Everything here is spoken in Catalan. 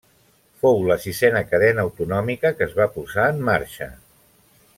Fou la sisena cadena autonòmica que es va posar en marxa.